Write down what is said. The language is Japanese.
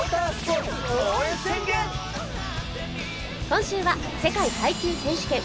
今週は世界耐久選手権。